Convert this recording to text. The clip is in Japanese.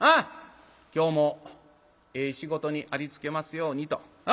今日もええ仕事にありつけますようにと。